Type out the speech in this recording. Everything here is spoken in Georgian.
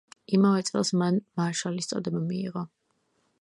იმავე წელს მან მარშალის წოდება მიიღო.